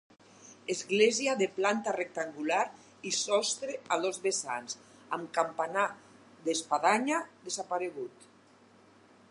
Església de planta rectangular i sostre a dos vessants, amb campanar d'espadanya desaparegut.